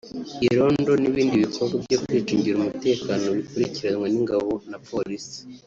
Irondo n’ibindi bikorwa byo kwicungira umutekano bikurikiranwa n’ingabo na Polisi